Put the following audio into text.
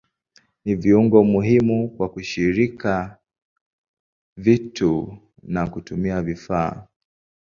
Ni viungo muhimu kwa kushika vitu na kutumia vifaa.